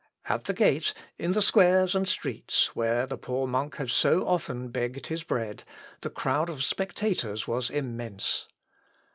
At the gate, in the squares and streets, where the poor monk had so often begged his bread, the crowd of spectators was immense.